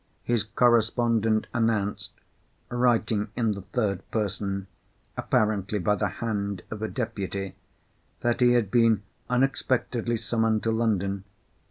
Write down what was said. His correspondent announced (writing in the third person—apparently by the hand of a deputy) that he had been unexpectedly summoned to London.